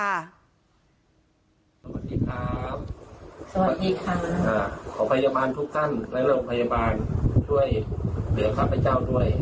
สวัสดีครับสวัสดีค่ะขอพยาบาลทุกท่านและโรงพยาบาลช่วยเหลือข้าพเจ้าด้วย